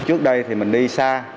trước đây mình đi xa